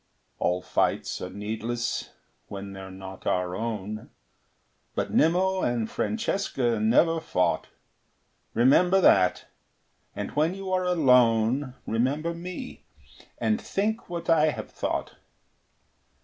All fights are needless, when they're not our own, But Nimmo and Francesca never fought. Remember that; and when you are alone, Remember me and think what I have thought.